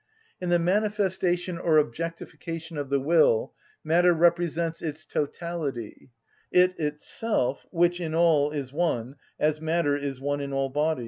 In the manifestation or objectification of the will matter represents its totality, it itself, which in all is one, as matter is one in all bodies.